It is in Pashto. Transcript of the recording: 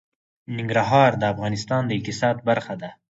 ننګرهار د افغانستان د اقتصاد برخه ده.